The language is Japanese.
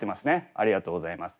ありがとうございます。